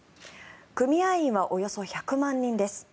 組合員はおよそ１００万人です。